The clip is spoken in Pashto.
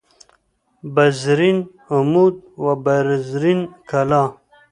بزرین عمود و بزرین کلاه